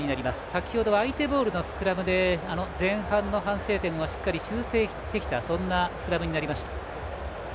先程、相手ボールのスクラムで前半の反省点をしっかり修正してきたスクラムになりました。